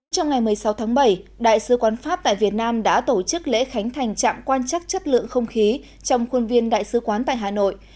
trong ngày một mươi sáu tháng bảy đại sứ quán pháp tại việt nam đã tổ chức lễ khánh thành trạm quan chắc chất lượng không khí trong khuôn viên đại sứ quán tại hà nội